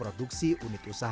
ketika kambing terbentuk